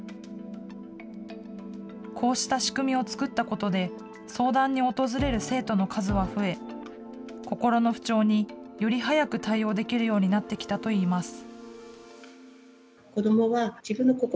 こうした仕組みを作ったことで、相談に訪れる生徒の数は増え、心の不調により早く対応できるようになってきたといいます。